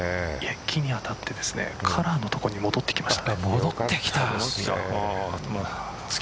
木に当たってカラーの所に戻ってきました。